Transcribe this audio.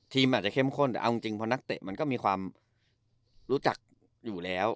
อาจจะเข้มข้นแต่เอาจริงเพราะนักเตะมันก็มีความรู้จักอยู่แล้ว